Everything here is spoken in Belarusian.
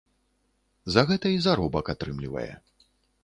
За гэта і заробак атрымлівае.